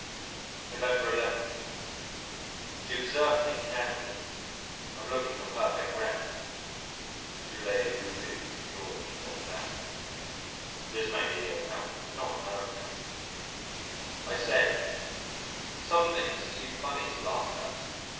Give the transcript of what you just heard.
November 11. She observed me carefully I'm looking a perfect wreck _ tu l'as voulu, George Dandin_ but it's mainly ill health and not on her account. I said, "Some things are too funny to laugh at."